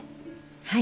はい。